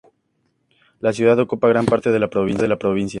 La ciudad ocupa gran parte del sudoeste de la provincia.